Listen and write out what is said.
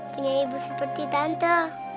punya ibu seperti tante